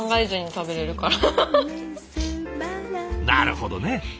なるほどね。